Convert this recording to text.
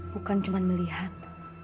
bukan cuma melihat